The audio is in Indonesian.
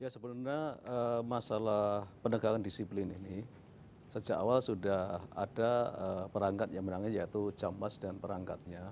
sebenarnya masalah penegakan disiplin ini sejak awal sudah ada perangkat yang menangani yaitu jampas dan perangkatnya